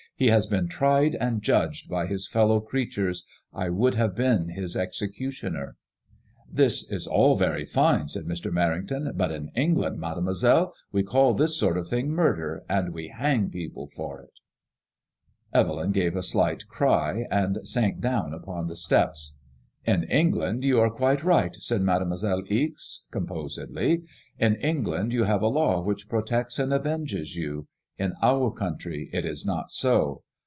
He has been tried and judged by his fellow creatures ; I would have been his executioner." •'This is all very fine," said Mr. Merrington. But in Eng land, Mademoiselle, we call this sort of thing murder, and we hang people for it." lOt liAD£MOIS£LLB IXB. ^ Evelyn gave a slight cry, and sank down upon the steps. ''In England yoa are quite right/* said Mademoiselle Ixe» composedly. In England you have a law which protects and avenges you. In our country it is not so.